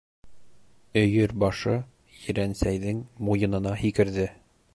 Өйөр башы Ерәнсәйҙең муйынына һикерҙе.